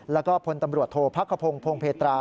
แล้วก็พลตำรวจโทษพักขพงศ์พงเพตรา